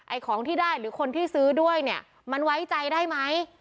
ของที่ได้หรือคนที่ซื้อด้วยเนี่ยมันไว้ใจได้ไหม